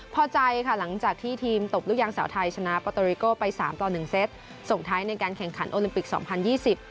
พอใจค่ะหลังจากที่ทีมตบลูกยางสาวไทยชนะปอโตริโก้ไปสามต่อหนึ่งเซตส่งท้ายในการแข่งขันโอลิมปิกสองพันยี่สิบ